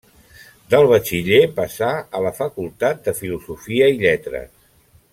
Del batxiller passà a la Facultat de Filosofia i Lletres.